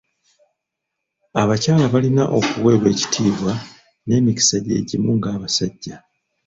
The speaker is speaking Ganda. Abakyala balina okuweebwa ekitiibwa n'emikisa gyegimu ng'abasajja.